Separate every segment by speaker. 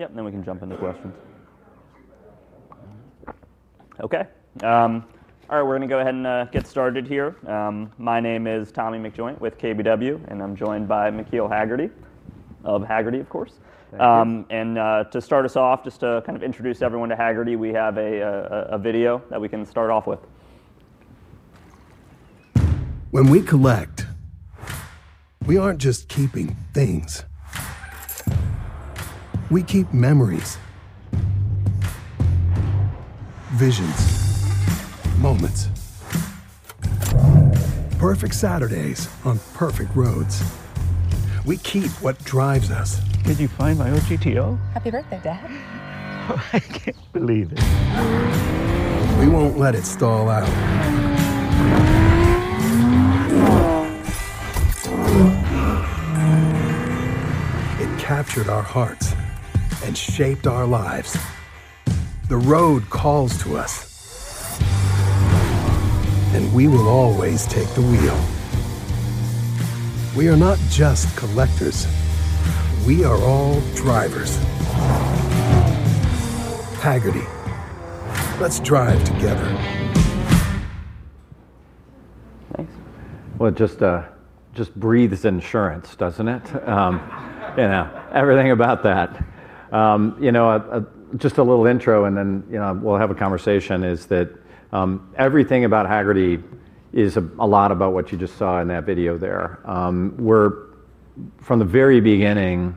Speaker 1: Yep, we can jump into questions. Okay, all right, we're going to go ahead and get started here. My name is Tommy McJoynt with KBW, and I'm joined by McKeel Hagerty of Hagerty, of course. To start us off, just to kind of introduce everyone to Hagerty, we have a video that we can start off with.
Speaker 2: When we collect, we aren't just keeping things. We keep memories, visions, moments. Perfect Saturdays on perfect roads. We keep what drives us.
Speaker 3: Did you find my old GTO?
Speaker 4: Happy birthday, Dad!
Speaker 3: I can't believe it.
Speaker 2: We won't let it stall out. It captured our hearts and shaped our lives. The road calls to us, and we will always take the wheel. We are not just collectors. We are all drivers. Hagerty, let's drive together.
Speaker 3: It just breathes insurance, doesn't it? You know, everything about that. Just a little intro, and then we'll have a conversation. Everything about Hagerty is a lot about what you just saw in that video there. We're, from the very beginning,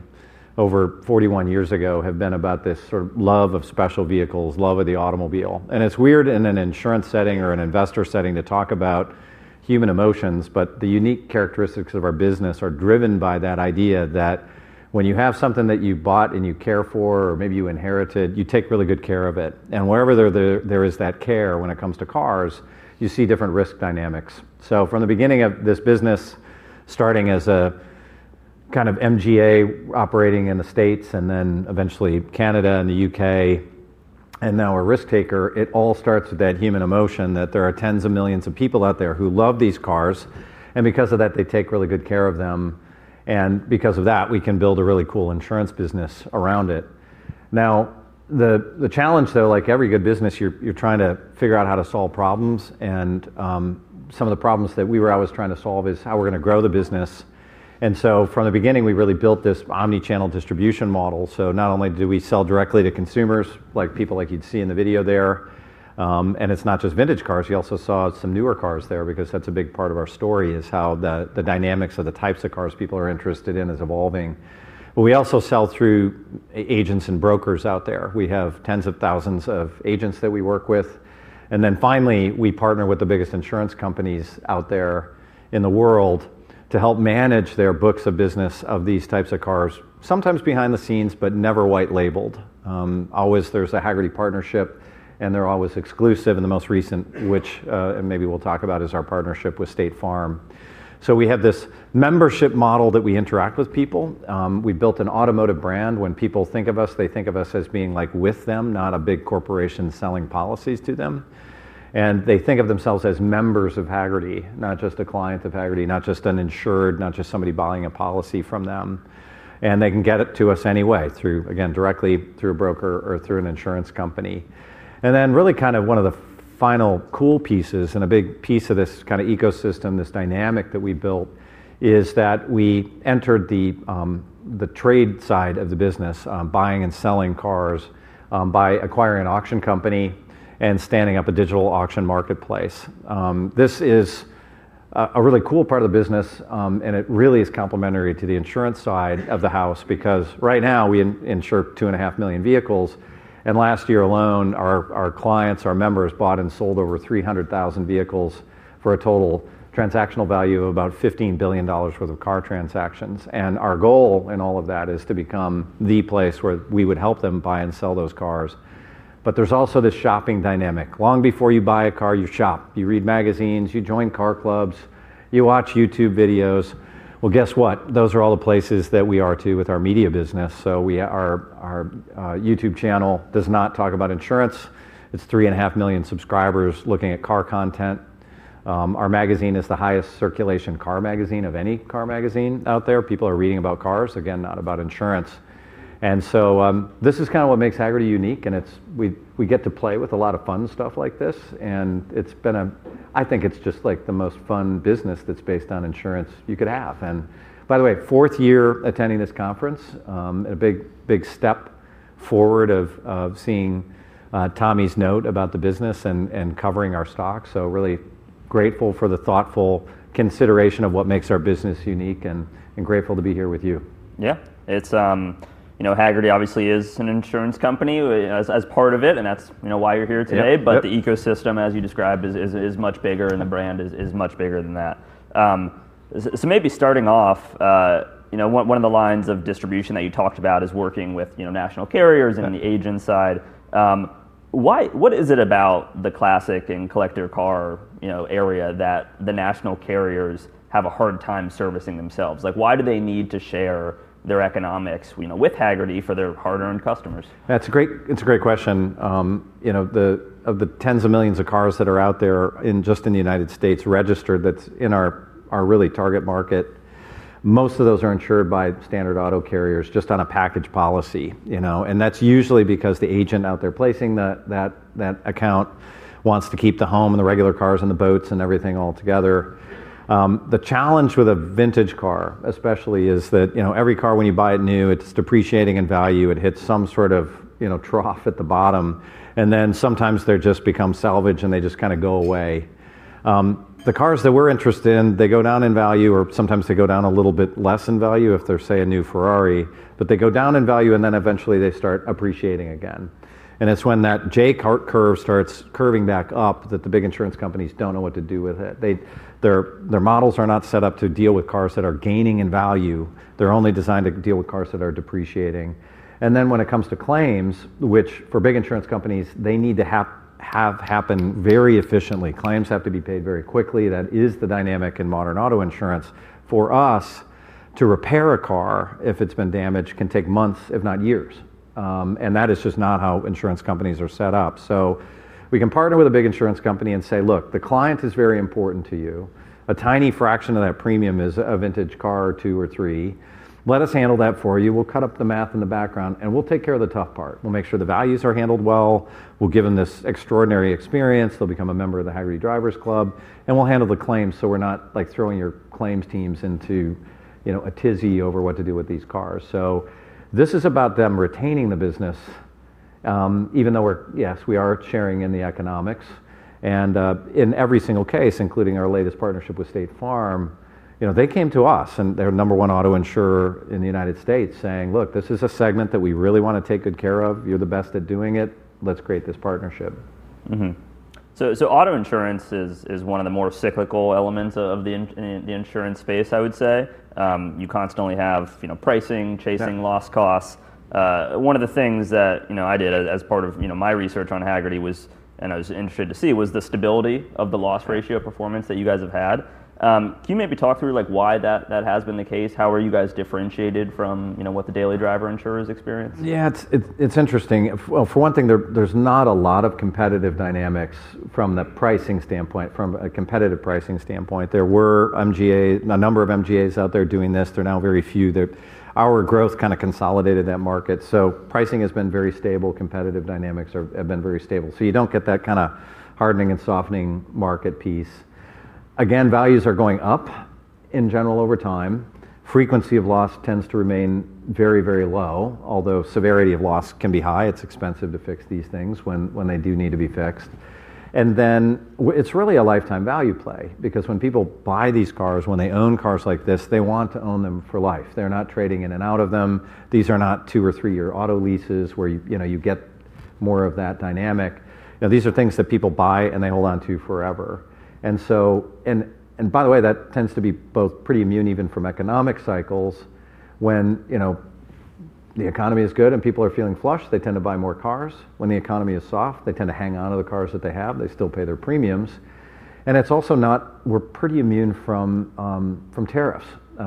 Speaker 3: over 41 years ago, have been about this sort of love of special vehicles, love of the automobile. It's weird in an insurance setting or an investor setting to talk about human emotions, but the unique characteristics of our business are driven by that idea that when you have something that you bought and you care for, or maybe you inherited, you take really good care of it. Wherever there is that care when it comes to cars, you see different risk dynamics. From the beginning of this business, starting as a kind of Managing General Agent (MGA) operating in the States, and then eventually Canada and the U.K., and now we're a risk taker, it all starts with that human emotion that there are tens of millions of people out there who love these cars. Because of that, they take really good care of them. Because of that, we can build a really cool insurance business around it. The challenge, though, like every good business, you're trying to figure out how to solve problems. Some of the problems that we were always trying to solve is how we're going to grow the business. From the beginning, we really built this omnichannel distribution model. Not only do we sell directly to consumers, like people like you'd see in the video there, and it's not just vintage cars. You also saw some newer cars there because that's a big part of our story, how the dynamics of the types of cars people are interested in is evolving. We also sell through agents and brokers out there. We have tens of thousands of agents that we work with. Finally, we partner with the biggest insurance companies out there in the world to help manage their books of business of these types of cars, sometimes behind the scenes, but never white labeled. Always there's a Hagerty partnership, and they're always exclusive. The most recent, which maybe we'll talk about, is our partnership with State Farm. We have this membership model that we interact with people. We built an automotive brand. When people think of us, they think of us as being like with them, not a big corporation selling policies to them. They think of themselves as members of Hagerty, not just a client of Hagerty, not just an insured, not just somebody buying a policy from them. They can get it to us anyway through, again, directly through a broker or through an insurance company. One of the final cool pieces and a big piece of this kind of ecosystem, this dynamic that we built, is that we entered the trade side of the business, buying and selling cars, by acquiring an auction company and standing up a digital auction marketplace. This is a really cool part of the business, and it really is complementary to the insurance side of the house because right now we insure two and a half million vehicles. Last year alone, our clients, our members, bought and sold over 300,000 vehicles for a total transactional value of about $15 billion worth of car transactions. Our goal in all of that is to become the place where we would help them buy and sell those cars. There is also this shopping dynamic. Long before you buy a car, you shop. You read magazines, you join car clubs, you watch YouTube videos. Guess what? Those are all the places that we are too with our media business. Our YouTube channel does not talk about insurance. It's three and a half million subscribers looking at car content. Our magazine is the highest circulation car magazine of any car magazine out there. People are reading about cars, again, not about insurance. This is kind of what makes Hagerty unique. We get to play with a lot of fun stuff like this. It's been, I think it's just like the most fun business that's based on insurance you could have. By the way, fourth year attending this conference, a big, big step forward of seeing Tommy's note about the business and covering our stock. Really grateful for the thoughtful consideration of what makes our business unique and grateful to be here with you.
Speaker 1: Yeah, it's, you know, Hagerty obviously is an insurance company as part of it. That's why you're here today. The ecosystem, as you described, is much bigger and the brand is much bigger than that. Maybe starting off, you know, one of the lines of distribution that you talked about is working with, you know, national carriers and on the agent side. Why, what is it about the classic and collector car, you know, area that the national carriers have a hard time servicing themselves? Like, why do they need to share their economics, you know, with Hagerty for their hard-earned customers?
Speaker 3: That's a great, it's a great question. You know, of the tens of millions of cars that are out there just in the United States registered, that's in our really target market. Most of those are insured by standard auto carriers just on a package policy, and that's usually because the agent out there placing that account wants to keep the home and the regular cars and the boats and everything all together. The challenge with a vintage car, especially, is that every car when you buy it new, it's depreciating in value. It hits some sort of trough at the bottom, and then sometimes they just become salvage and they just kind of go away. The cars that we're interested in, they go down in value or sometimes they go down a little bit less in value if they're, say, a new Ferrari, but they go down in value and then eventually they start appreciating again. It's when that J curve starts curving back up that the big insurance companies don't know what to do with it. Their models are not set up to deal with cars that are gaining in value. They're only designed to deal with cars that are depreciating. When it comes to claims, which for big insurance companies, they need to have happen very efficiently, claims have to be paid very quickly. That is the dynamic in modern auto insurance. For us, to repair a car if it's been damaged can take months, if not years, and that is just not how insurance companies are set up. We can partner with a big insurance company and say, look, the client is very important to you. A tiny fraction of that premium is a vintage car, two or three. Let us handle that for you. We'll cut up the math in the background and we'll take care of the tough part. We'll make sure the values are handled well. We'll give them this extraordinary experience. They'll become a member of the Hagerty Drivers Club and we'll handle the claims. We're not like throwing your claims teams into a tizzy over what to do with these cars. This is about them retaining the business. Even though we're, yes, we are sharing in the economics and, in every single case, including our latest partnership with State Farm, they came to us and they're number one auto insurer in the United States saying, look, this is a segment that we really want to take good care of. You're the best at doing it. Let's create this partnership.
Speaker 1: Auto insurance is one of the more cyclical elements of the insurance space, I would say. You constantly have pricing chasing loss costs. One of the things that I did as part of my research on Hagerty was, and I was interested to see, was the stability of the loss ratio performance that you guys have had. Can you maybe talk through why that has been the case? How are you guys differentiated from what the daily driver insurers experience?
Speaker 3: Yeah, it's interesting. For one thing, there's not a lot of competitive dynamics from a pricing standpoint, from a competitive pricing standpoint. There were MGAs, a number of MGAs out there doing this. They're now very few. Our growth kind of consolidated that market. Pricing has been very stable. Competitive dynamics have been very stable. You don't get that kind of hardening and softening market piece. Values are going up in general over time. Frequency of loss tends to remain very, very low, although severity of loss can be high. It's expensive to fix these things when they do need to be fixed. It's really a lifetime value play because when people buy these cars, when they own cars like this, they want to own them for life. They're not trading in and out of them. These are not two or three-year auto leases where you get more of that dynamic. These are things that people buy and they hold on to forever. By the way, that tends to be both pretty immune even from economic cycles. When the economy is good and people are feeling flushed, they tend to buy more cars. When the economy is soft, they tend to hang on to the cars that they have. They still pay their premiums. It's also not, we're pretty immune from tariffs,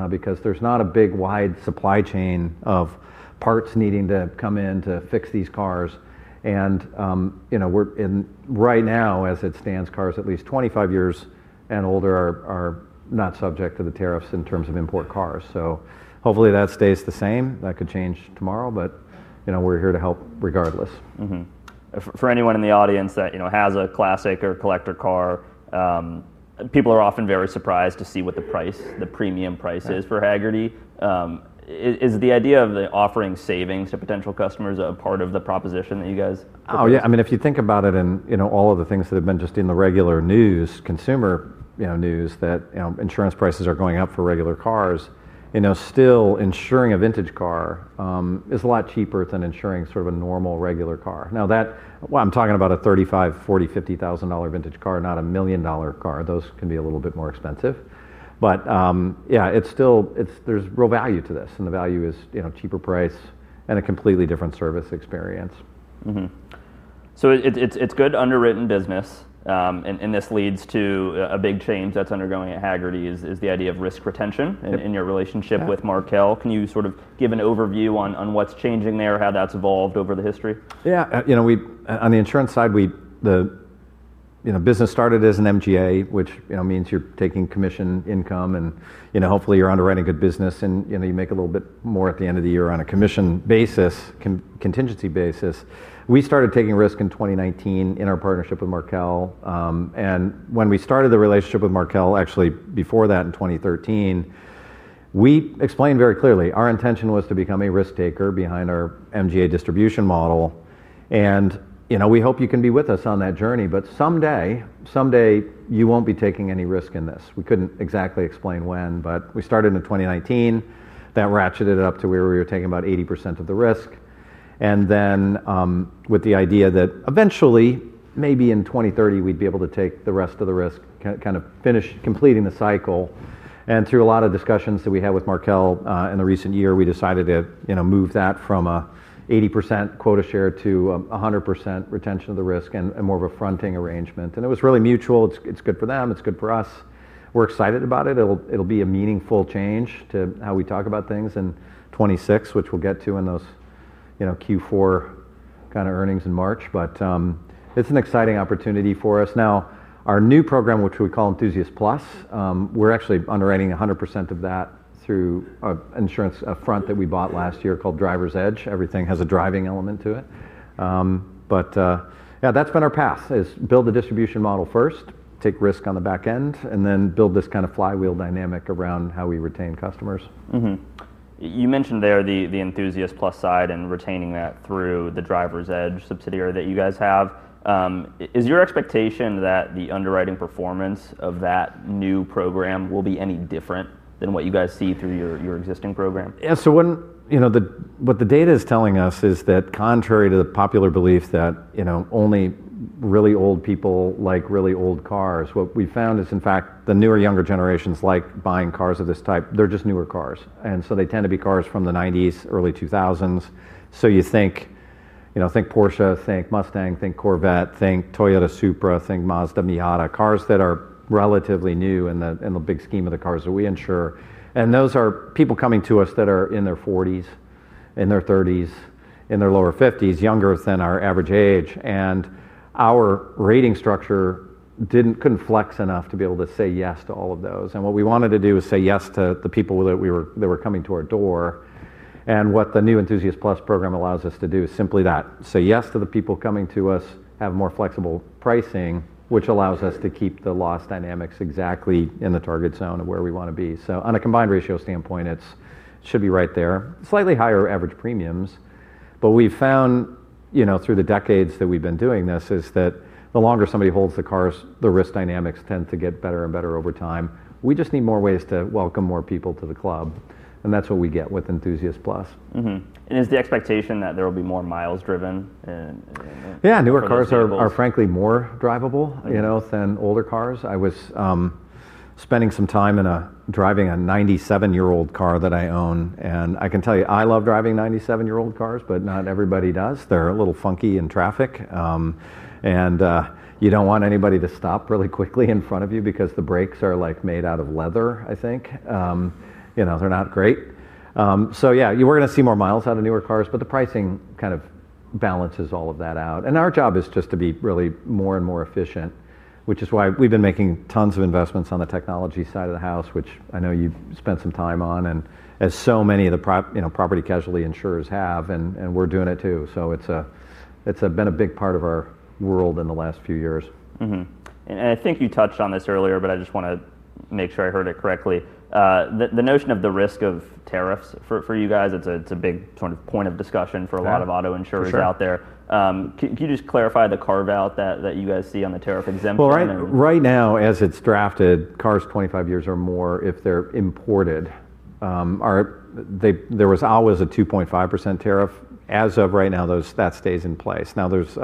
Speaker 3: because there's not a big wide supply chain of parts needing to come in to fix these cars. We're in right now, as it stands, cars at least 25 years and older are not subject to the tariffs in terms of import cars. Hopefully that stays the same. That could change tomorrow, but we're here to help regardless.
Speaker 1: For anyone in the audience that, you know, has a classic or collector car, people are often very surprised to see what the premium price is for Hagerty. Is the idea of the offering savings to potential customers a part of the proposition that you guys?
Speaker 3: Oh yeah, I mean, if you think about it and, you know, all of the things that have been just in the regular news, consumer news that, you know, insurance prices are going up for regular cars, you know, still insuring a vintage car is a lot cheaper than insuring sort of a normal regular car. I'm talking about a $35,000, $40,000, $50,000 vintage car, not a million dollar car. Those can be a little bit more expensive. Yeah, it's still, there's real value to this. The value is, you know, cheaper price and a completely different service experience.
Speaker 1: It's good underwritten business, and this leads to a big change that's undergoing at Hagerty. The idea of risk retention in your relationship with Markel. Can you sort of give an overview on what's changing there, how that's evolved over the history?
Speaker 3: Yeah, you know, we, on the insurance side, the business started as an MGA, which means you're taking commission income and hopefully you're underwriting a good business and you make a little bit more at the end of the year on a commission basis, contingency basis. We started taking risk in 2019 in our partnership with Markel. When we started the relationship with Markel, actually before that in 2013, we explained very clearly our intention was to become a risk taker behind our MGA distribution model. We hope you can be with us on that journey, but someday you won't be taking any risk in this. We couldn't exactly explain when, but we started in 2019. That ratcheted up to where we were taking about 80% of the risk, with the idea that eventually, maybe in 2030, we'd be able to take the rest of the risk, kind of finish completing the cycle. Through a lot of discussions that we had with Markel in the recent year, we decided to move that from an 80% quota share to a 100% retention of the risk and more of a fronting arrangement. It was really mutual. It's good for them. It's good for us. We're excited about it. It'll be a meaningful change to how we talk about things in 2026, which we'll get to in those Q4 kind of earnings in March. It's an exciting opportunity for us. Now, our new program, which we call Enthusiast+, we're actually underwriting 100% of that through an insurance front that we bought last year called Drivers Edge. Everything has a driving element to it. That's been our path: build a distribution model first, take risk on the back end, and then build this kind of flywheel dynamic around how we retain customers.
Speaker 1: You mentioned there the Enthusiast+ side and retaining that through the Drivers Edge subsidiary that you guys have. Is your expectation that the underwriting performance of that new program will be any different than what you guys see through your existing program?
Speaker 3: Yeah, so what the data is telling us is that contrary to the popular belief that only really old people like really old cars, what we found is in fact the newer younger generations like buying cars of this type, they're just newer cars. They tend to be cars from the 1990s, early 2000s. You think Porsche, think Mustang, think Corvette, think Toyota Supra, think Mazda Miata, cars that are relatively new in the big scheme of the cars that we insure. Those are people coming to us that are in their 40s, in their 30s, in their lower 50s, younger than our average age. Our rating structure couldn't flex enough to be able to say yes to all of those. What we wanted to do is say yes to the people that were coming to our door. What the new Enthusiast+ program allows us to do is simply that. Say yes to the people coming to us, have more flexible pricing, which allows us to keep the loss dynamics exactly in the target zone of where we want to be. On a combined ratio standpoint, it should be right there. Slightly higher average premiums. We've found through the decades that we've been doing this, that the longer somebody holds the cars, the risk dynamics tend to get better and better over time. We just need more ways to welcome more people to the club. That's what we get with Enthusiast+.
Speaker 1: Is the expectation that there will be more miles driven?
Speaker 3: Yeah, newer cars are frankly more drivable, you know, than older cars. I was spending some time driving a 97-year-old car that I own. I can tell you I love driving 97-year-old cars, but not everybody does. They're a little funky in traffic, and you don't want anybody to stop really quickly in front of you because the brakes are like made out of leather, I think. You know, they're not great. You are going to see more miles out of newer cars, but the pricing kind of balances all of that out. Our job is just to be really more and more efficient, which is why we've been making tons of investments on the technology side of the house, which I know you spent some time on, and as so many of the, you know, property casualty insurers have, we're doing it too. It's been a big part of our world in the last few years.
Speaker 1: I think you touched on this earlier, but I just want to make sure I heard it correctly. The notion of the risk of tariffs for you guys, it's a big sort of point of discussion for a lot of auto insurers out there. Can you just clarify the carve out that you guys see on the tariff exemption?
Speaker 3: Right now, as it's drafted, cars 25 years or more, if they're imported, there was always a 2.5% tariff. As of right now, that stays in place. There's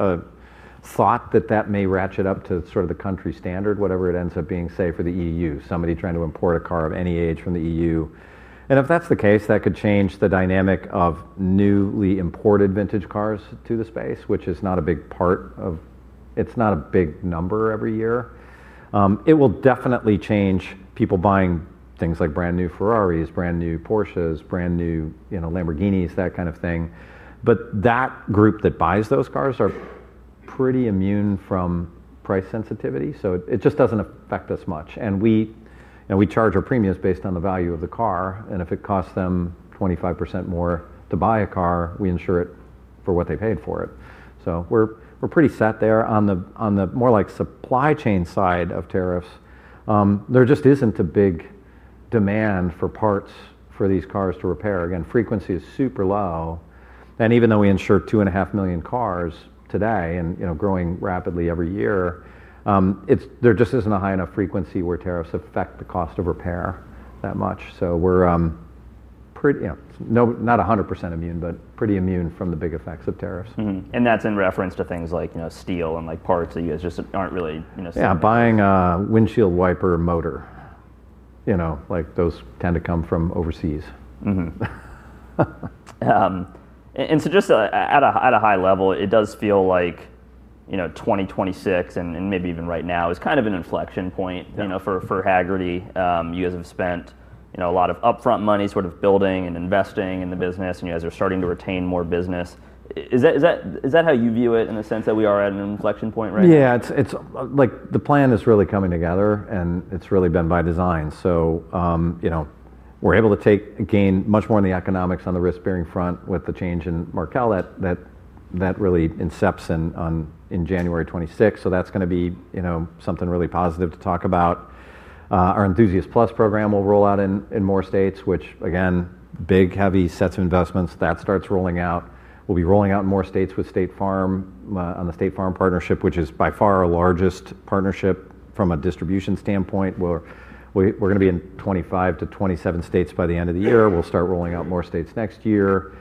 Speaker 3: a thought that that may ratchet up to sort of the country standard, whatever it ends up being, say, for the E.U., somebody trying to import a car of any age from the E.U. If that's the case, that could change the dynamic of newly imported vintage cars to the space, which is not a big part of, it's not a big number every year. It will definitely change people buying things like brand new Ferraris, brand new Porsches, brand new, you know, Lamborghinis, that kind of thing. That group that buys those cars are pretty immune from price sensitivity. It just doesn't affect us much. We charge our premiums based on the value of the car. If it costs them 25% more to buy a car, we insure it for what they paid for it. We're pretty set there. On the more like supply chain side of tariffs, there just isn't a big demand for parts for these cars to repair. Again, frequency is super low. Even though we insure 2.5 million cars today and, you know, growing rapidly every year, there just isn't a high enough frequency where tariffs affect the cost of repair that much. We're pretty, you know, not 100% immune, but pretty immune from the big effects of tariffs.
Speaker 1: That is in reference to things like steel and parts that you guys just aren't really, you know.
Speaker 3: Yeah, buying a windshield wiper motor, you know, like those tend to come from overseas.
Speaker 1: At a high level, it does feel like 2026 and maybe even right now is kind of an inflection point for Hagerty. You guys have spent a lot of upfront money building and investing in the business, and you guys are starting to retain more business. Is that how you view it in the sense that we are at an inflection point, right?
Speaker 3: Yeah, it's like the plan is really coming together, and it's really been by design. We're able to gain much more in the economics on the risk bearing front with the change in Markel that really incepts in January 2026. That's going to be something really positive to talk about. Our Enthusiast+ program will roll out in more states, which again, big heavy sets of investments that start rolling out. We'll be rolling out in more states with State Farm, on the State Farm partnership, which is by far our largest partnership from a distribution standpoint. We're going to be in 25-27 states by the end of the year. We'll start rolling out more states next year.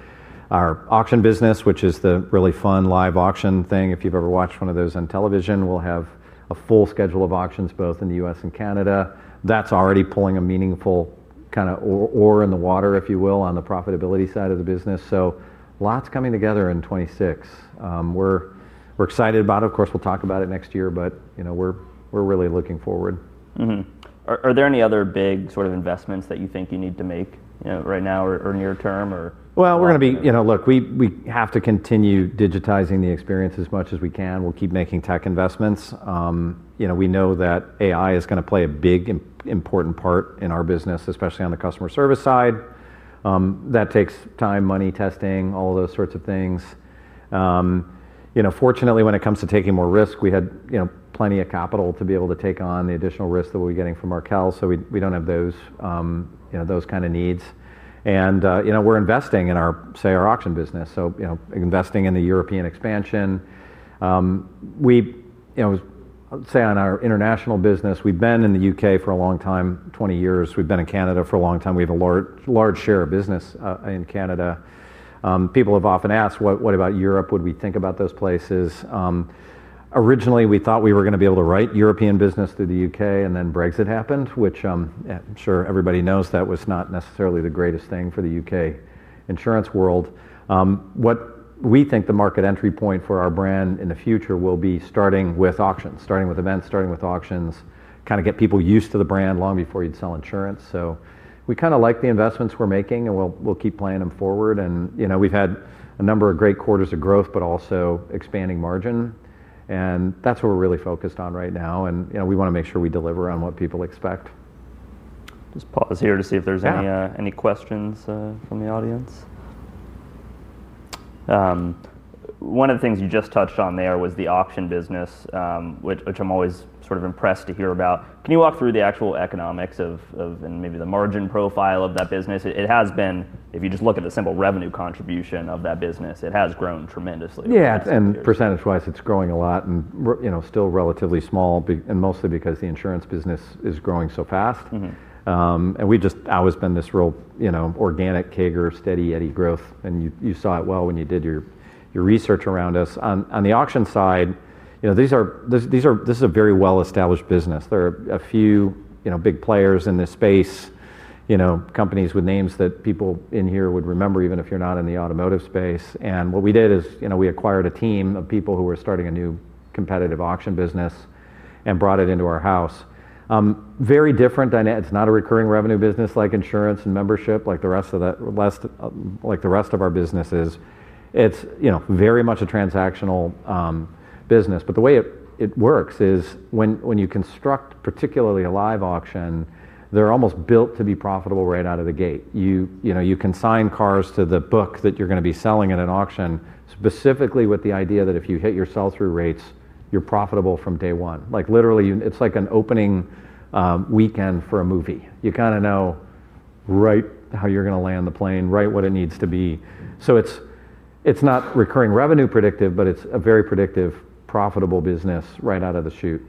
Speaker 3: Our auction business, which is the really fun live auction thing, if you've ever watched one of those on television, will have a full schedule of auctions both in the U.S. and Canada. That's already pulling a meaningful kind of oar in the water, if you will, on the profitability side of the business. Lots coming together in 2026. We're excited about it. Of course, we'll talk about it next year, but we're really looking forward.
Speaker 1: Are there any other big sort of investments that you think you need to make right now or near term?
Speaker 3: We are going to be, you know, look, we have to continue digitizing the experience as much as we can. We'll keep making tech investments. You know, we know that AI is going to play a big important part in our business, especially on the customer service side. That takes time, money, testing, all of those sorts of things. Fortunately, when it comes to taking more risk, we had plenty of capital to be able to take on the additional risk that we're getting from Markel. We don't have those kinds of needs. You know, we're investing in our, say, our auction business. You know, investing in the European expansion. We, you know, say on our international business, we've been in the U.K. for a long time, 20 years. We've been in Canada for a long time. We have a large, large share of business in Canada. People have often asked, what about Europe? Would we think about those places? Originally we thought we were going to be able to write European business through the U.K. and then Brexit happened, which, I'm sure everybody knows that was not necessarily the greatest thing for the U.K. insurance world. What we think the market entry point for our brand in the future will be starting with auctions, starting with events, starting with auctions, kind of get people used to the brand long before you'd sell insurance. We kind of like the investments we're making and we'll keep playing them forward. You know, we've had a number of great quarters of growth, but also expanding margin. That's what we're really focused on right now. You know, we want to make sure we deliver on what people expect.
Speaker 1: Just pause here to see if there's any questions from the audience. One of the things you just touched on there was the auction business, which I'm always sort of impressed to hear about. Can you walk through the actual economics of, and maybe the margin profile of that business? If you just look at the simple revenue contribution of that business, it has grown tremendously.
Speaker 3: Yeah, and percentage-wise it's growing a lot and, you know, still relatively small and mostly because the insurance business is growing so fast. We just, I always been this real, you know, organic (Kager) Steady Eddy growth. You saw it well when you did your research around us on the auction side. These are, this, these are, this is a very well established business. There are a few big players in this space, companies with names that people in here would remember, even if you're not in the automotive space. What we did is, we acquired a team of people who were starting a new competitive auction business and brought it into our house. Very different. It's not a recurring revenue business like insurance and membership, like the rest of the, less like the rest of our businesses. It's very much a transactional business. The way it works is when you construct particularly a live auction, they're almost built to be profitable right out of the gate. You can sign cars to the book that you're going to be selling at an auction, specifically with the idea that if you hit your sell-through rates, you're profitable from day one. Like literally, it's like an opening weekend for a movie. You kind of know right how you're going to land the plane, right what it needs to be. It's not recurring revenue predictive, but it's a very predictive, profitable business right out of the chute.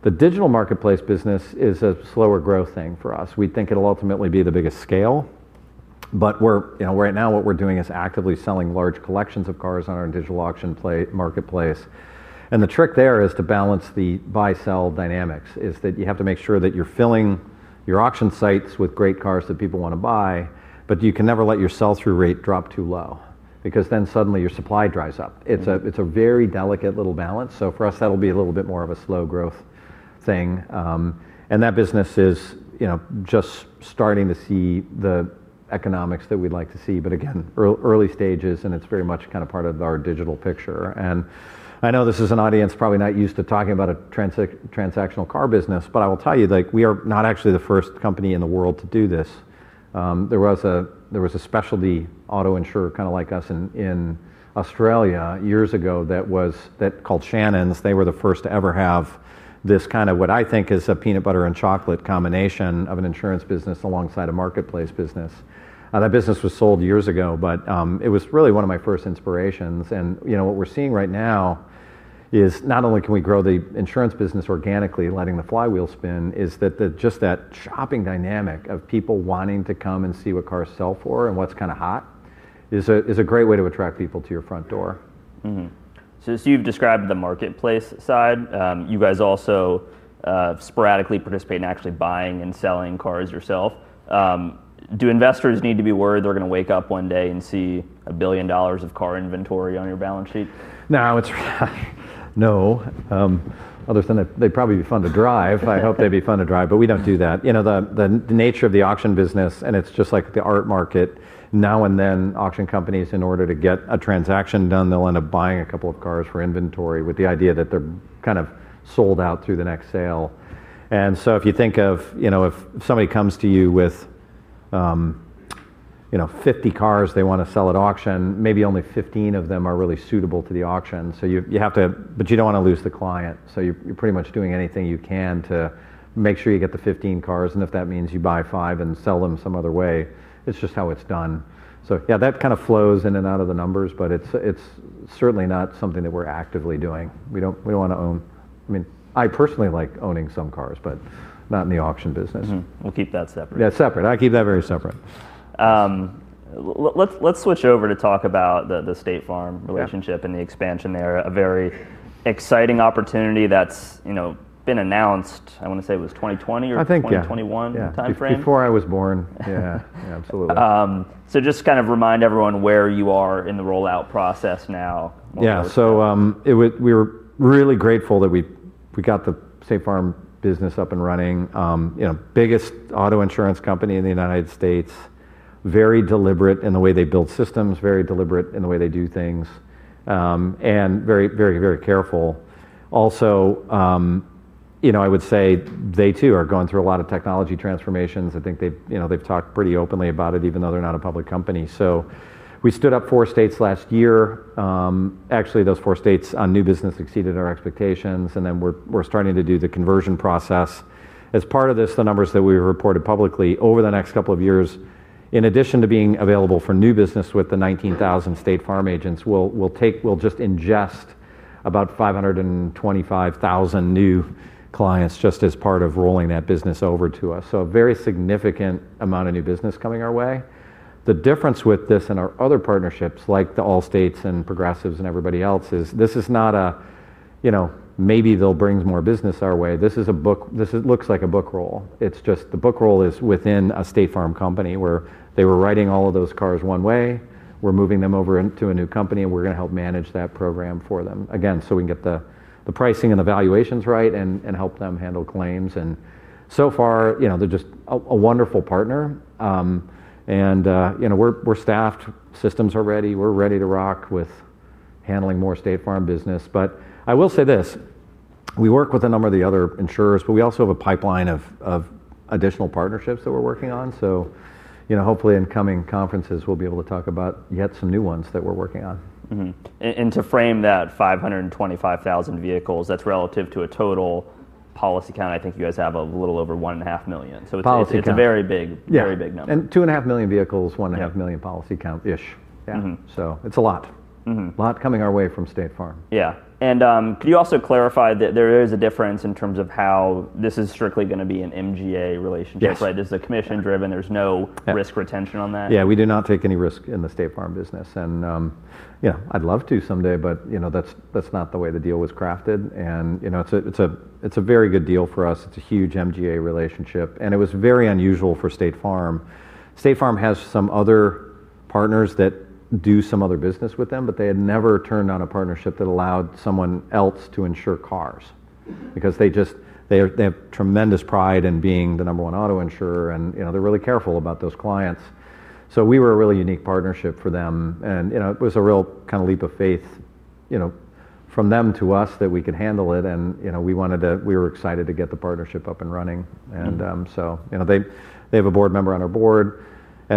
Speaker 3: The digital marketplace business is a slower growth thing for us. We think it'll ultimately be the biggest scale. Right now what we're doing is actively selling large collections of cars on our digital auction marketplace. The trick there is to balance the buy-sell dynamics, is that you have to make sure that you're filling your auction sites with great cars that people want to buy, but you can never let your sell-through rate drop too low because then suddenly your supply dries up. It's a very delicate little balance. For us, that'll be a little bit more of a slow growth thing. That business is just starting to see the economics that we'd like to see, but again, early stages, and it's very much kind of part of our digital picture. I know this is an audience probably not used to talking about a transactional car business, but I will tell you that we are not actually the first company in the world to do this. There was a specialty auto insurer kind of like us in Australia years ago that was called Shannons. They were the first to ever have this kind of what I think is a peanut butter and chocolate combination of an insurance business alongside a marketplace business. That business was sold years ago. It was really one of my first inspirations. You know, what we're seeing right now is not only can we grow the insurance business organically, letting the flywheel spin, that shopping dynamic of people wanting to come and see what cars sell for and what's kind of hot is a great way to attract people to your front door.
Speaker 1: As you've described the marketplace side, you guys also sporadically participate in actually buying and selling cars yourself. Do investors need to be worried they're going to wake up one day and see $1 billion of car inventory on your balance sheet?
Speaker 3: No, it's really, no, other than it'd probably be fun to drive. I hope they'd be fun to drive, but we don't do that. The nature of the auction business, and it's just like the art market, now and then auction companies, in order to get a transaction done, they'll end up buying a couple of cars for inventory with the idea that they're kind of sold out through the next sale. If you think of, you know, if somebody comes to you with, you know, 50 cars they want to sell at auction, maybe only 15 of them are really suitable to the auction. You have to, but you don't want to lose the client. You're pretty much doing anything you can to make sure you get the 15 cars. If that means you buy five and sell them some other way, it's just how it's done. That kind of flows in and out of the numbers, but it's certainly not something that we're actively doing. We don't want to own. I mean, I personally like owning some cars, but not in the auction business.
Speaker 1: We'll keep that separate.
Speaker 3: Yeah, separate. I keep that very separate.
Speaker 1: Let's switch over to talk about the State Farm relationship and the expansion there. A very exciting opportunity that's been announced. I want to say it was 2020 or 2021 timeframe.
Speaker 3: Before I was born. Yeah, absolutely.
Speaker 1: Just kind of remind everyone where you are in the rollout process now.
Speaker 3: Yeah, we were really grateful that we got the State Farm business up and running. You know, biggest auto insurance company in the United States, very deliberate in the way they build systems, very deliberate in the way they do things, and very, very, very careful. Also, I would say they too are going through a lot of technology transformations. I think they, you know, they've talked pretty openly about it, even though they're not a public company. We stood up four states last year. Actually, those four states on new business exceeded our expectations, and then we're starting to do the conversion process. As part of this, the numbers that we reported publicly over the next couple of years, in addition to being available for new business with the 19,000 State Farm agents, we'll just ingest about 525,000 new clients just as part of rolling that business over to us. A very significant amount of new business coming our way. The difference with this and our other partnerships, like the Allstate's and Progressive's and everybody else, is this is not a, you know, maybe they'll bring more business our way. This is a book, this looks like a book roll. It's just the book roll is within a State Farm company where they were writing all of those cars one way. We're moving them over to a new company and we're going to help manage that program for them again. We can get the pricing and the valuations right and help them handle claims. So far, you know, they're just a wonderful partner, and, you know, we're staffed, systems are ready. We're ready to rock with handling more State Farm business. I will say this, we work with a number of the other insurers, but we also have a pipeline of additional partnerships that we're working on. Hopefully in coming conferences, we'll be able to talk about yet some new ones that we're working on.
Speaker 1: To frame that 525,000 vehicles, that's relative to a total policy count. I think you guys have a little over 1.5 million. It's a very big, very big number.
Speaker 3: Yeah, 2.5 million vehicles, 1.5 million policy count-ish.
Speaker 1: Yeah.
Speaker 3: It's a lot coming our way from State Farm.
Speaker 1: Can you also clarify that there is a difference in terms of how this is strictly going to be an MGA relationship, right?
Speaker 3: Yes.
Speaker 1: It's commission-driven. There's no risk retention on that.
Speaker 3: Yeah, we do not take any risk in the State Farm business. I'd love to someday, but that's not the way the deal was crafted. It's a very good deal for us. It's a huge MGA relationship. It was very unusual for State Farm. State Farm has some other partners that do some other business with them, but they had never turned on a partnership that allowed someone else to insure cars. They have tremendous pride in being the number one auto insurer. They're really careful about those clients. We were a really unique partnership for them. It was a real kind of leap of faith from them to us that we could handle it. We wanted to, we were excited to get the partnership up and running. They have a board member on our board.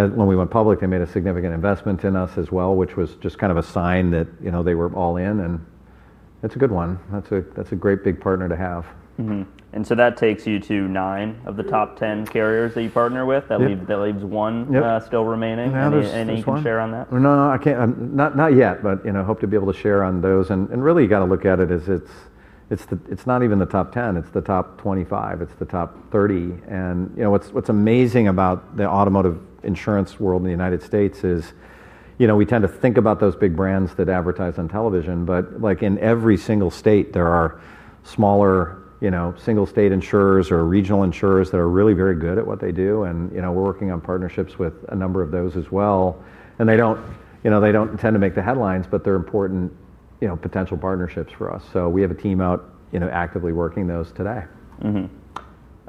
Speaker 3: When we went public, they made a significant investment in us as well, which was just kind of a sign that they were all in. That's a good one. That's a great big partner to have.
Speaker 1: That takes you to nine of the top 10 carriers that you partner with. That leaves one still remaining. Any share on that?
Speaker 3: No, I can't, not yet, but I hope to be able to share on those. You got to look at it as it's not even the top 10, it's the top 25, it's the top 30. What's amazing about the automotive insurance world in the U.S. is we tend to think about those big brands that advertise on television, but in every single state, there are smaller, single state insurers or regional insurers that are really very good at what they do. We're working on partnerships with a number of those as well. They don't tend to make the headlines, but they're important potential partnerships for us. We have a team out actively working those today.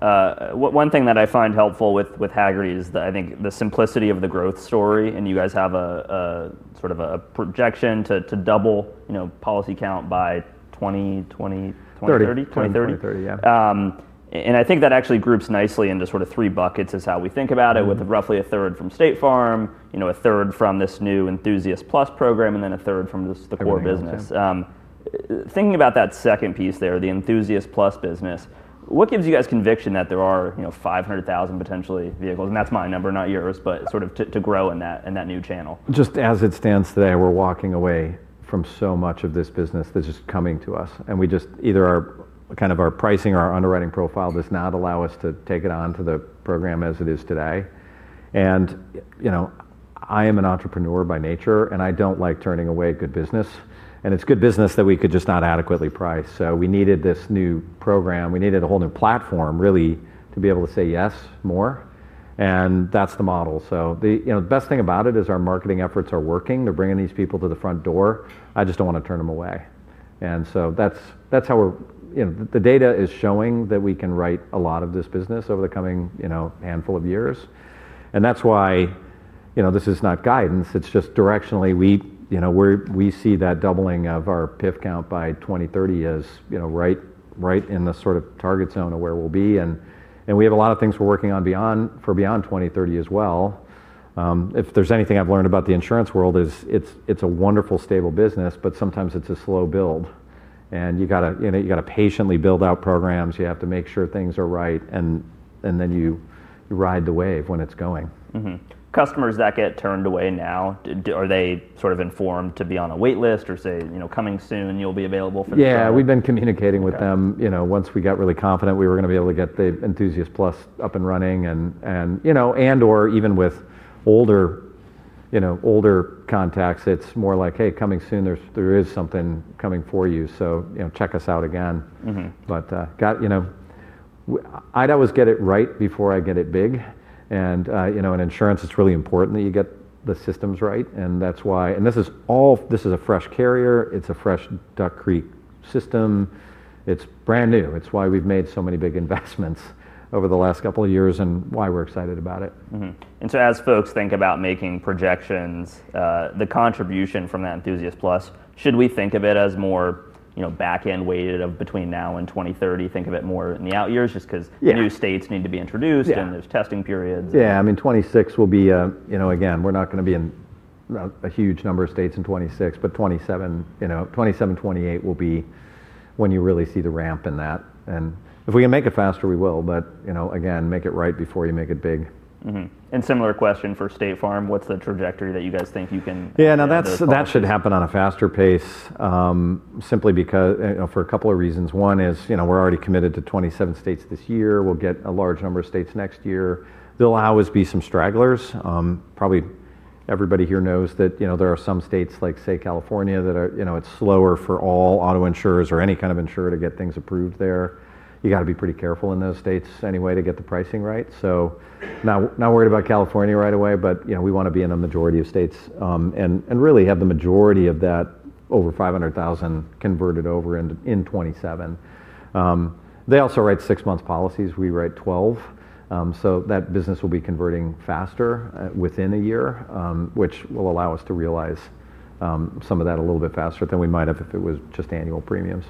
Speaker 1: One thing that I find helpful with Hagerty is that I think the simplicity of the growth story, and you guys have a sort of a projection to double, you know, policy count by 2030.
Speaker 3: Yeah.
Speaker 1: I think that actually groups nicely into sort of three buckets, is how we think about it, with roughly a third from State Farm, a third from this new Enthusiast+ program, and then a third from just the core business. Thinking about that second piece there, the Enthusiast+ business, what gives you guys conviction that there are, you know, 500,000 potentially vehicles, and that's my number, not yours, but sort of to grow in that, in that new channel.
Speaker 3: Just as it stands today, we're walking away from so much of this business that is coming to us. We just either are, kind of our pricing or our underwriting profile does not allow us to take it on to the program as it is today. I am an entrepreneur by nature, and I don't like turning away good business. It's good business that we could just not adequately price. We needed this new program. We needed a whole new platform really to be able to say yes more. That's the model. The best thing about it is our marketing efforts are working. They're bringing these people to the front door. I just don't want to turn them away. That's how we're, the data is showing that we can write a lot of this business over the coming handful of years. That's why, this is not guidance. It's just directionally, we see that doubling of our (PIF) count by 2030 as right in the sort of target zone of where we'll be. We have a lot of things we're working on for beyond 2030 as well. If there's anything I've learned about the insurance world, it's a wonderful stable business, but sometimes it's a slow build. You gotta patiently build out programs. You have to make sure things are right, and then you ride the wave when it's going.
Speaker 1: Customers that get turned away now, are they sort of informed to be on a wait list or say, you know, coming soon you'll be available for this?
Speaker 3: Yeah, we've been communicating with them once we got really confident we were going to be able to get the Enthusiast+ up and running. Even with older contacts, it's more like, hey, coming soon, there is something coming for you, so check us out again. I'd always get it right before I get it big. In insurance, it's really important that you get the systems right. That's why this is all a fresh carrier. It's a fresh Duck Creek system. It's brand new. It's why we've made so many big investments over the last couple of years and why we're excited about it.
Speaker 1: As folks think about making projections, the contribution from that Enthusiast+, should we think of it as more backend weighted between now and 2030? Think of it more in the out years just because new states need to be introduced and there's testing periods.
Speaker 3: Yeah, I mean, 2026 will be a, you know, again, we're not going to be in a huge number of states in 2026, but 2027, you know, 2027, 2028 will be when you really see the ramp in that. If we can make it faster, we will, but, you know, again, make it right before you make it big.
Speaker 1: Similar question for State Farm, what's the trajectory that you guys think you can?
Speaker 3: Yeah, now that should happen at a faster pace, simply because, you know, for a couple of reasons. One is, you know, we're already committed to 27 states this year. We'll get a large number of states next year. There will always be some stragglers. Probably everybody here knows that, you know, there are some states like, say, California that are, you know, it's slower for all auto insurers or any kind of insurer to get things approved there. You have to be pretty careful in those states anyway to get the pricing right. Not worried about California right away, but, you know, we want to be in a majority of states and really have the majority of that over 500,000 converted over in 2027. They also write six-month policies. We write 12, so that business will be converting faster within a year, which will allow us to realize some of that a little bit faster than we might have if it was just annual premiums.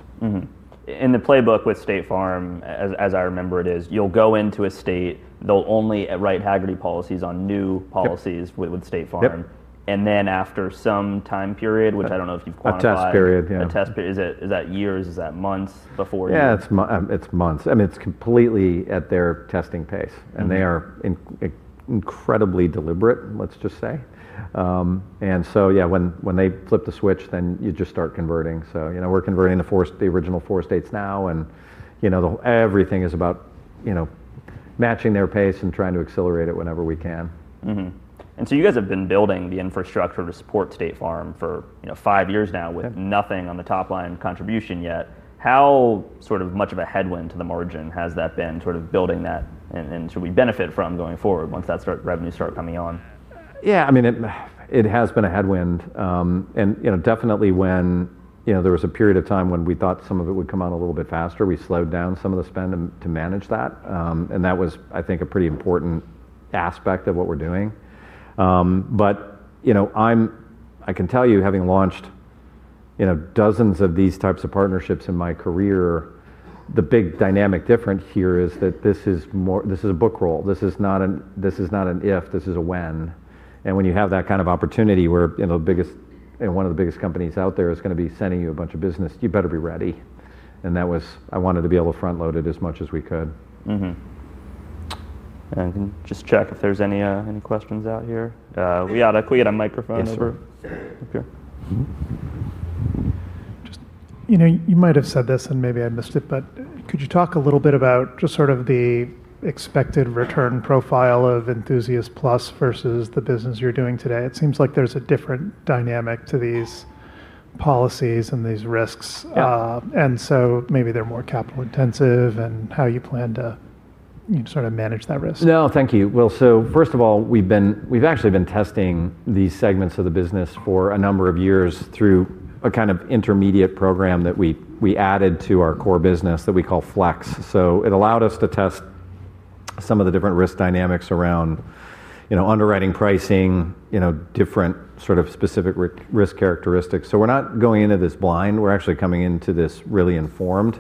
Speaker 1: In the playbook with State Farm, as I remember it is, you'll go into a state, they'll only write Hagerty policies on new policies with State Farm. After some time period, which I don't know if you've caught that.
Speaker 3: A test period, yeah.
Speaker 1: A test period, is that years? Is that months before?
Speaker 3: Yeah, it's months. It's completely at their testing pace. They are incredibly deliberate, let's just say. When they flip the switch, you just start converting. We're converting the four, the original four states now. Everything is about matching their pace and trying to accelerate it whenever we can.
Speaker 1: You guys have been building the infrastructure to support State Farm for, you know, five years now with nothing on the top line contribution yet. How much of a headwind to the margin has that been building that, and should we benefit from going forward once that revenue starts coming on?
Speaker 3: Yeah, I mean, it has been a headwind, and you know, definitely when, you know, there was a period of time when we thought some of it would come on a little bit faster, we slowed down some of the spend to manage that. That was, I think, a pretty important aspect of what we're doing. You know, I can tell you, having launched, you know, dozens of these types of partnerships in my career, the big dynamic difference here is that this is more, this is a book roll. This is not an, this is not an if, this is a when. When you have that kind of opportunity where, you know, the biggest, you know, one of the biggest companies out there is going to be sending you a bunch of business, you better be ready. That was, I wanted to be able to front load it as much as we could.
Speaker 1: Are there any questions out here? We have a microphone over here.
Speaker 5: You know, you might have said this and maybe I missed it, but could you talk a little bit about just sort of the expected return profile of Enthusiast+ versus the business you're doing today? It seems like there's a different dynamic to these policies and these risks, and so maybe they're more capital intensive and how you plan to, you know, sort of manage that risk.
Speaker 3: Thank you. First of all, we've actually been testing these segments of the business for a number of years through a kind of intermediate program that we added to our core business that we call Flex. It allowed us to test some of the different risk dynamics around underwriting, pricing, and different specific risk characteristics. We're not going into this blind. We're actually coming into this really informed.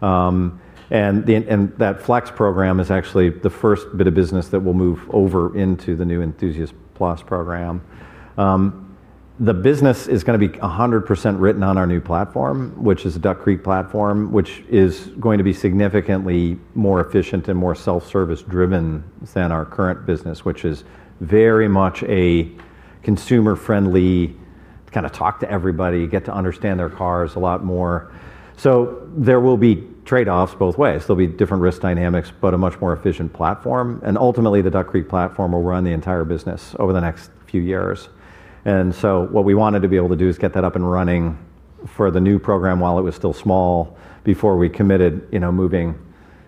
Speaker 3: That Flex program is actually the first bit of business that will move over into the new Enthusiast+ program. The business is going to be 100% written on our new platform, which is a Duck Creek platform, which is going to be significantly more efficient and more self-service driven than our current business, which is very much a consumer-friendly kind of talk to everybody, get to understand their cars a lot more. There will be trade-offs both ways. There will be different risk dynamics, but a much more efficient platform. Ultimately, the Duck Creek platform will run the entire business over the next few years. What we wanted to be able to do is get that up and running for the new program while it was still small before we committed, you know, moving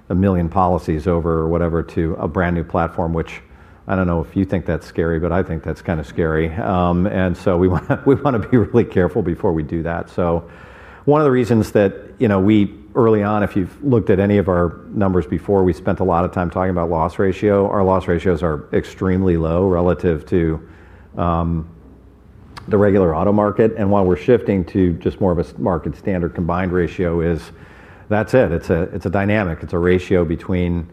Speaker 3: a million policies over or whatever to a brand new platform, which I don't know if you think that's scary, but I think that's kind of scary. We want to be really careful before we do that. One of the reasons that, you know, we early on, if you've looked at any of our numbers before, we spent a lot of time talking about loss ratio. Our loss ratios are extremely low relative to the regular auto market. While we're shifting to just more of a market standard combined ratio, that's it. It's a dynamic. It's a ratio between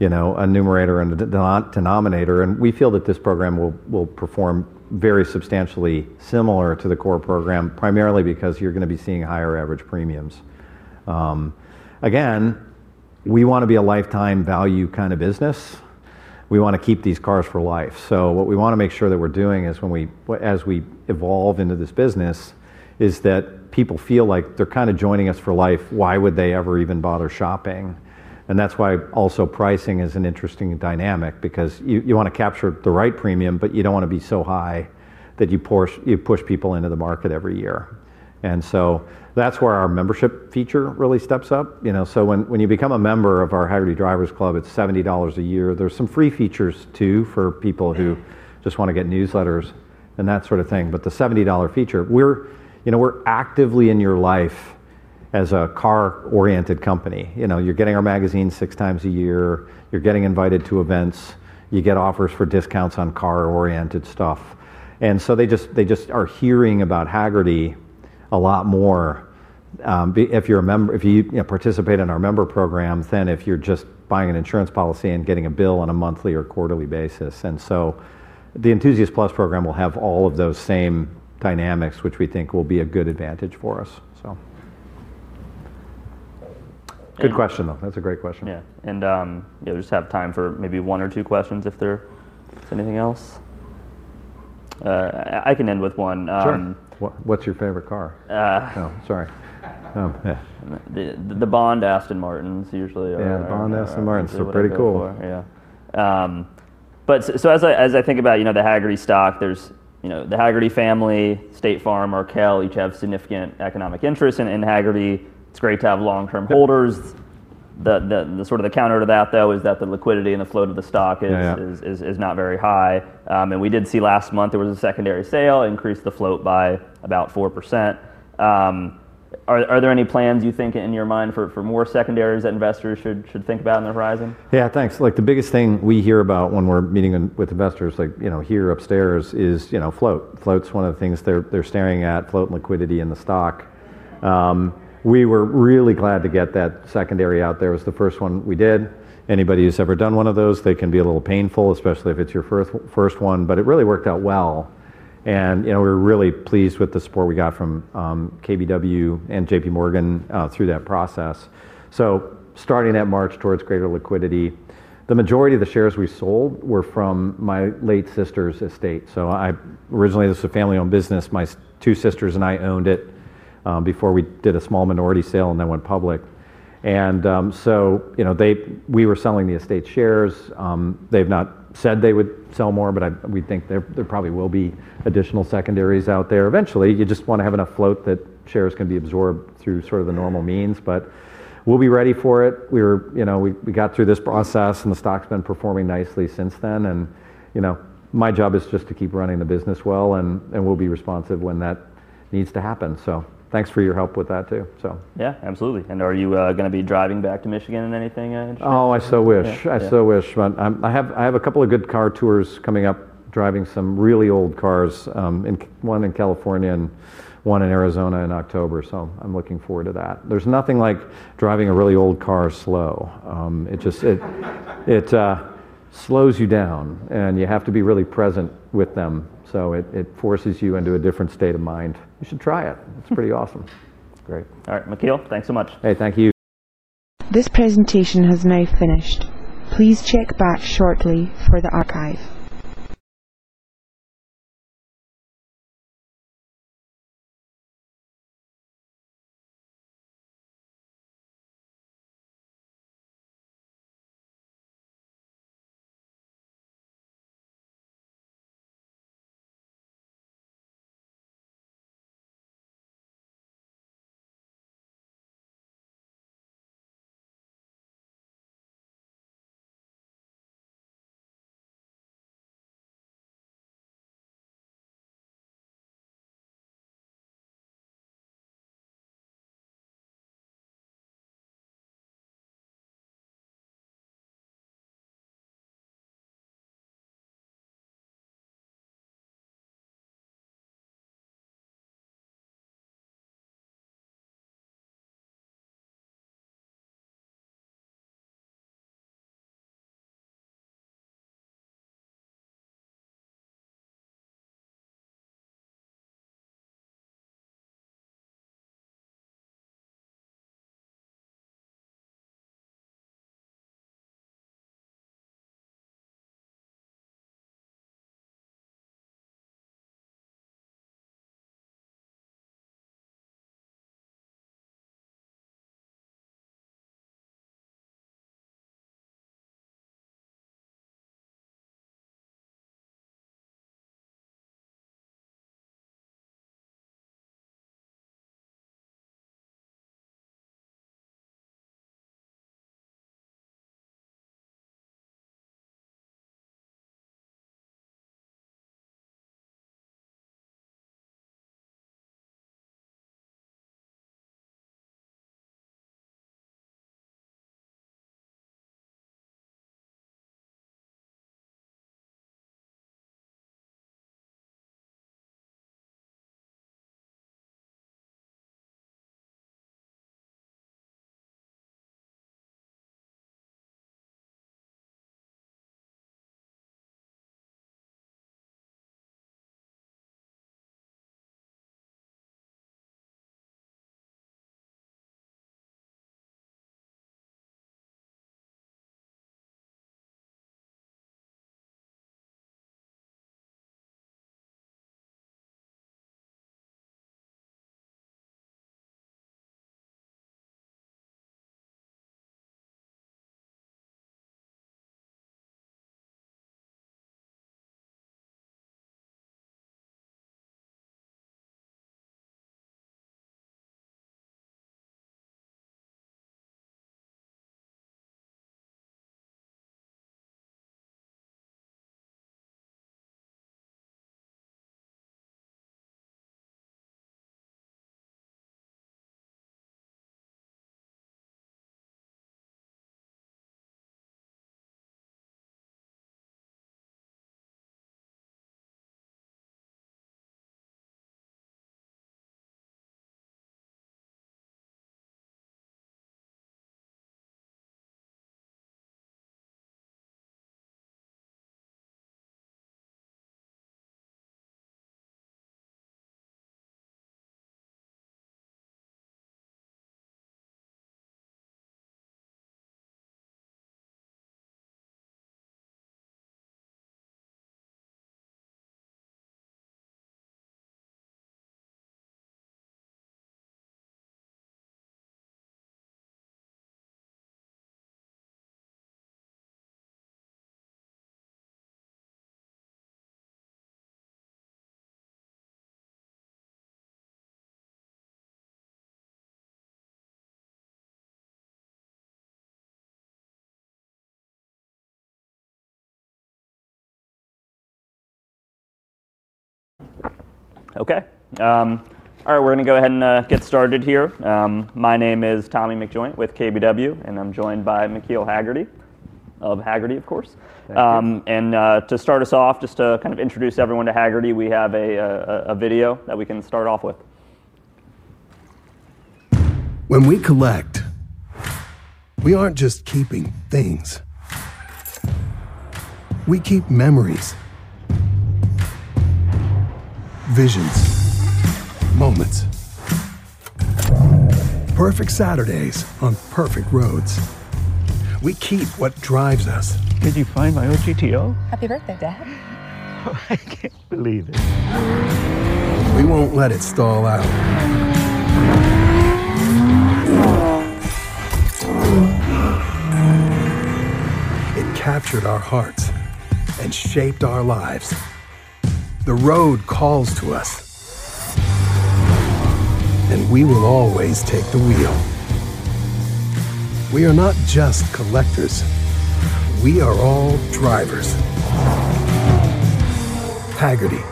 Speaker 3: a numerator and a denominator. We feel that this program will perform very substantially similar to the core program, primarily because you're going to be seeing higher average premiums. Again, we want to be a lifetime value kind of business. We want to keep these cars for life. What we want to make sure that we're doing as we evolve into this business is that people feel like they're kind of joining us for life. Why would they ever even bother shopping? That's why also pricing is an interesting dynamic because you want to capture the right premium, but you don't want to be so high that you push people into the market every year. That's where our membership feature really steps up, you know. When you become a member of our Hagerty Drivers Club, it's $70 a year. There are some free features too for people who just want to get newsletters and that sort of thing. The $70 feature, we're actively in your life as a car-oriented company. You're getting our magazine six times a year, you're getting invited to events, and you get offers for discounts on car-oriented stuff. They are hearing about Hagerty a lot more if you're a member, if you participate in our member program, than if you're just buying an insurance policy and getting a bill on a monthly or quarterly basis. The Enthusiast+ program will have all of those same dynamics, which we think will be a good advantage for us. Good question though. That's a great question.
Speaker 1: Yeah, we just have time for maybe one or two questions if there's anything else. I can end with one.
Speaker 6: Sure. What's your favorite car?
Speaker 1: No.
Speaker 6: Sorry.
Speaker 1: The Bond Aston Martin usually.
Speaker 6: Yeah, Bond Aston Martin. Pretty cool.
Speaker 1: Yeah, as I think about the Hagerty stock, there's the Hagerty family, State Farm, Markel each have significant economic interest in Hagerty. It's great to have long-term holders. The sort of counter to that though is that the liquidity and the float of the stock is not very high. We did see last month there was a secondary sale increase the float by about 4%. Are there any plans you think in your mind for more secondaries that investors should think about in the horizon?
Speaker 3: Yeah, thanks. The biggest thing we hear about when we're meeting with investors, like, you know, here upstairs is, you know, float. Float's one of the things they're staring at, float and liquidity in the stock. We were really glad to get that secondary out there. It was the first one we did. Anybody who's ever done one of those, they can be a little painful, especially if it's your first one, but it really worked out well. We're really pleased with the support we got from KBW and JPMorgan through that process. Starting that march towards greater liquidity, the majority of the shares we sold were from my late sister's estate. Originally, this is a family-owned business. My two sisters and I owned it before we did a small minority sale and then went public. We were selling the estate shares. They've not said they would sell more, but we think there probably will be additional secondaries out there eventually. You just want to have enough float that shares can be absorbed through sort of the normal means, but we'll be ready for it. We got through this process and the stock's been performing nicely since then. My job is just to keep running the business well and we'll be responsive when that needs to happen. Thanks for your help with that too.
Speaker 1: Yeah, absolutely. Are you going to be driving back to Michigan in anything?
Speaker 3: I so wish. I have a couple of good car tours coming up, driving some really old cars, one in California and one in Arizona in October. I'm looking forward to that. There's nothing like driving a really old car slow. It just slows you down and you have to be really present with them. It forces you into a different state of mind. You should try it. It's pretty awesome.
Speaker 1: Great. All right, McKeel, thanks so much.
Speaker 3: Thank you.
Speaker 7: This presentation has now finished. Please check back shortly for the video.
Speaker 1: All right, we're going to go ahead and get started here. My name is Tommy McJoynt with KBW, and I'm joined by McKeel Hagerty of Hagerty, of course. To start us off, just to kind of introduce everyone to Hagerty, we have a video that we can start off with.
Speaker 2: When we collect, we aren't just keeping things. We keep memories, visions, moments, perfect Saturdays on perfect roads. We keep what drives us.
Speaker 3: Did you find my old GTO?
Speaker 4: Happy birthday, Dad.
Speaker 3: I can't believe it.
Speaker 2: We won't let it stall out. It captured our hearts and shaped our lives. The road calls to us, and we will always take the wheel. We are not just collectors. We are all drivers. Hagerty,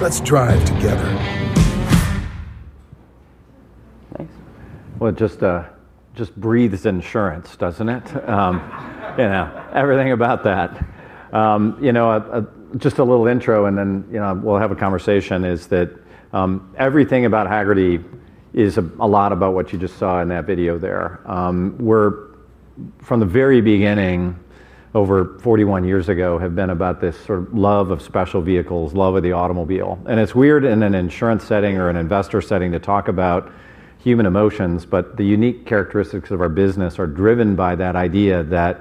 Speaker 2: let's drive together.
Speaker 8: Thanks.
Speaker 3: It just breathes insurance, doesn't it? You know, everything about that. Just a little intro, and then we'll have a conversation. Everything about Hagerty is a lot about what you just saw in that video there. We're, from the very beginning, over 41 years ago, have been about this sort of love of special vehicles, love of the automobile. It's weird in an insurance setting or an investor setting to talk about human emotions, but the unique characteristics of our business are driven by that idea that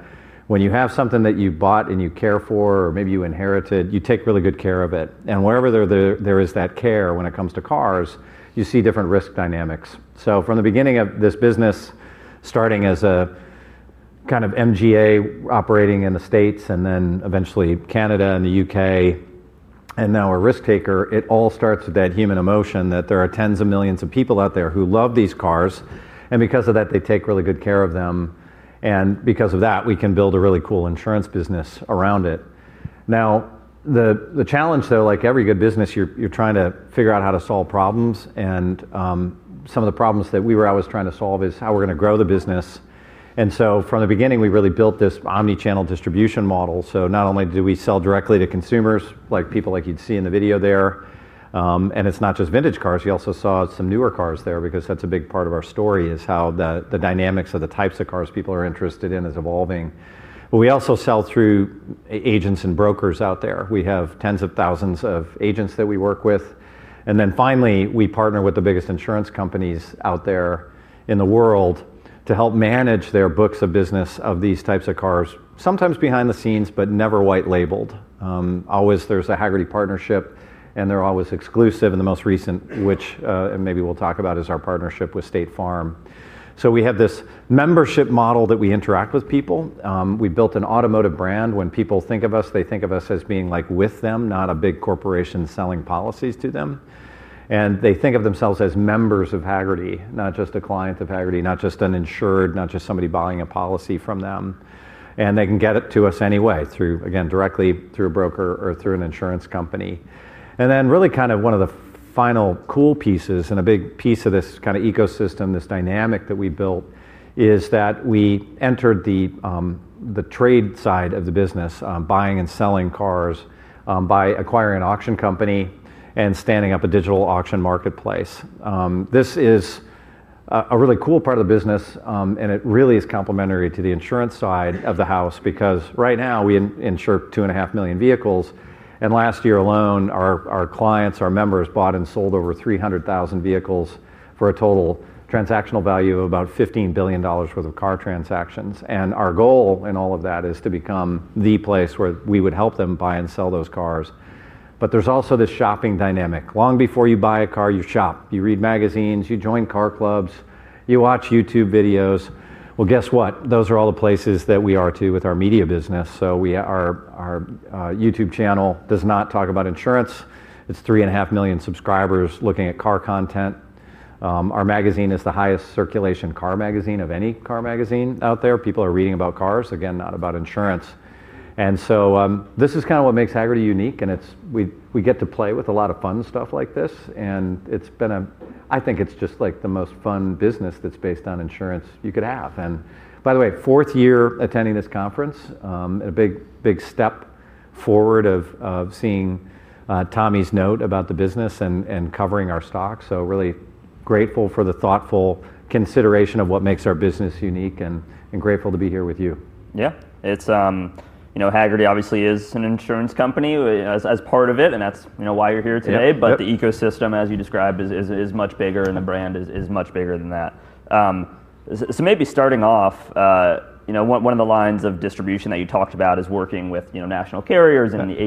Speaker 3: when you have something that you bought and you care for, or maybe you inherited, you take really good care of it. Wherever there is that care when it comes to cars, you see different risk dynamics. From the beginning of this business, starting as a kind of MGA operating in the States, and then eventually Canada and the U.K., and now a risk taker, it all starts with that human emotion that there are tens of millions of people out there who love these cars. Because of that, they take really good care of them. Because of that, we can build a really cool insurance business around it. The challenge, though, like every good business, you're trying to figure out how to solve problems. Some of the problems that we were always trying to solve is how we're going to grow the business. From the beginning, we really built this omnichannel distribution model. Not only do we sell directly to consumers, like people you'd see in the video there, and it's not just vintage cars. You also saw some newer cars there because that's a big part of our story, how the dynamics of the types of cars people are interested in is evolving. We also sell through agents and brokers out there. We have tens of thousands of agents that we work with. Finally, we partner with the biggest insurance companies out there in the world to help manage their books of business of these types of cars, sometimes behind the scenes, but never white labeled. Always there's a Hagerty partnership, and they're always exclusive. The most recent, which maybe we'll talk about, is our partnership with State Farm. We have this membership model that we interact with people. We built an automotive brand. When people think of us, they think of us as being like with them, not a big corporation selling policies to them. They think of themselves as members of Hagerty, not just a client of Hagerty, not just an insured, not just somebody buying a policy from them. They can get it to us anyway through, again, directly through a broker or through an insurance company. One of the final cool pieces and a big piece of this kind of ecosystem, this dynamic that we built, is that we entered the trade side of the business, buying and selling cars, by acquiring an auction company and standing up a digital auction marketplace. This is a really cool part of the business, and it really is complementary to the insurance side of the house because right now we insure two and a half million vehicles. Last year alone, our clients, our members, bought and sold over 300,000 vehicles for a total transactional value of about $15 billion worth of car transactions. Our goal in all of that is to become the place where we would help them buy and sell those cars. There's also this shopping dynamic. Long before you buy a car, you shop. You read magazines, you join car clubs, you watch YouTube videos. Those are all the places that we are too with our media business. Our YouTube channel does not talk about insurance. It's three and a half million subscribers looking at car content. Our magazine is the highest circulation car magazine of any car magazine out there. People are reading about cars, again, not about insurance. This is kind of what makes Hagerty unique. We get to play with a lot of fun stuff like this. It's been, I think it's just like the most fun business that's based on insurance you could have. By the way, fourth year attending this conference, a big, big step forward of seeing Tommy's note about the business and covering our stock. Really grateful for the thoughtful consideration of what makes our business unique and grateful to be here with you.
Speaker 1: Yeah, it's, you know, Hagerty obviously is an insurance company as part of it. That's, you know, why you're here today. The ecosystem, as you described, is much bigger and the brand is much bigger than that. Maybe starting off, one of the lines of distribution that you talked about is working with national carriers and the.